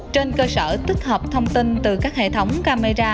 trên cơ sở tích hợp thông tin từ các hệ thống camera